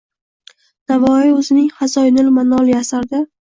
Navoiy o‘zining,,Xazoinul maoniy’’ asarida: